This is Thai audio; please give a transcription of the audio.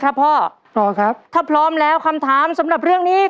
พ่อพร้อมครับถ้าพร้อมแล้วคำถามสำหรับเรื่องนี้